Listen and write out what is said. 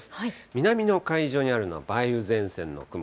南の海上にあるのは、梅雨前線の雲。